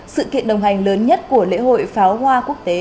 sự kiện đồng hành lớn nhất của lễ hội pháo hoa quốc tế